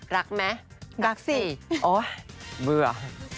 รักไหมรักสิโอ๊ยเบื่อ